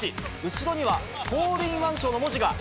後ろにはホールインワン賞の文字が。